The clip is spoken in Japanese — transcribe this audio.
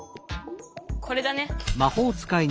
これだね。